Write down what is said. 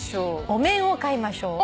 お面を買いましょう。